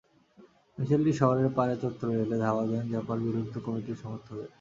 মিছিলটি শহরের পায়রা চত্বরে এলে ধাওয়া দেন জাপার বিলুপ্ত কমিটির সমর্থকেরা।